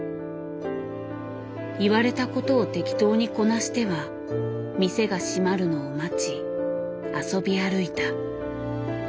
言われたことを適当にこなしては店が閉まるのを待ち遊び歩いた。